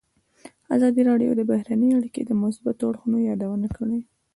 ازادي راډیو د بهرنۍ اړیکې د مثبتو اړخونو یادونه کړې.